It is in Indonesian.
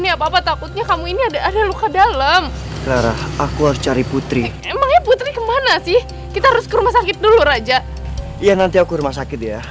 iya nanti aku ke rumah sakit ya